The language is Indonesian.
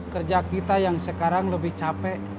kerja kita yang sekarang lebih capek